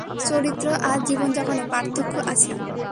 চরিত্র আর জীবনযাপনে পার্থক্য আছে।